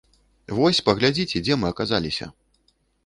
Вось, паглядзіце, дзе мы аказаліся.